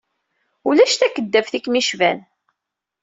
Ulac takeddabt i kem-icban.